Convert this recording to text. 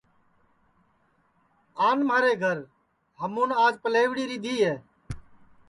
آن مھارے گھر ہمُون آج پلیوڑی ریدھی ہے